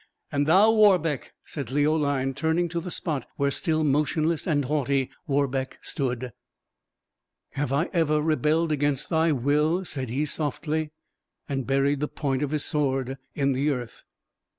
"And thou, Warbeck!" said Leoline, turning to the spot where, still motionless and haughty, Warbeck stood. "Have I ever rebelled against thy will?" said he, softly; and buried the point of his sword in the earth.